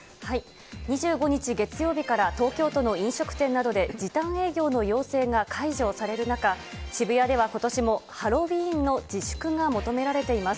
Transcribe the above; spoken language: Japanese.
２５日月曜日から東京都の飲食店などで時短営業の要請が解除される中、渋谷ではことしもハロウィーンの自粛が求められています。